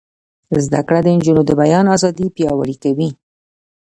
زده کړه د نجونو د بیان ازادي پیاوړې کوي.